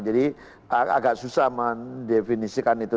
jadi agak susah mendefinisikan itu